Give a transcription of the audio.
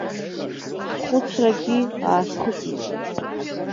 Схәыцрагьы аасхыҵит.